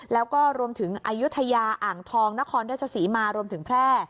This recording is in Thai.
แล้วก็รวมถึงอายุทยาอ่างทองนครราชศรีมารวมถึงแพร่